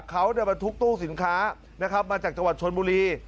เขาบรรทุกตู้สินค้านะครับมาจากจังหวัดชนบุรี